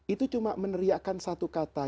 itu cuma meneriakan satu kata